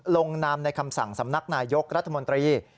ลงนามในคำสั่งสำนักนายยกรัฐมนตรี